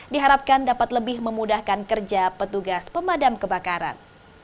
diharapkan dapat lebih memudahkan kerja petugas pemadam kebakaran